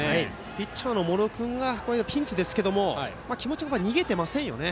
ピッチャーの茂呂君がピンチですけど気持ちは逃げていませんよね。